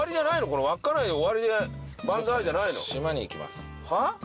この稚内で終わりでバンザイちょっとね島に行きますはぁ？